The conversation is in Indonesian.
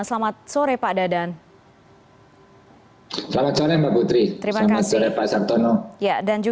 selamat sore pak dadan